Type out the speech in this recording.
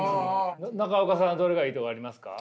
中岡さんどれがいいとかありますか？